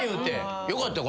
よかった。